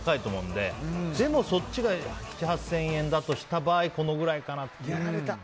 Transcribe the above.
でも、そっちが７０００８０００円とした場合このくらいかなと。